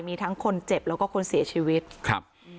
มีทั้งคนเจ็บแล้วก็คนเสียชีวิตครับ